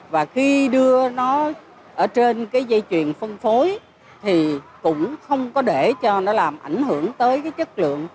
và khi đưa nó ở trên cái dây chuyền phân phối thì cũng không có để cho nó làm ảnh hưởng tới cái chất lượng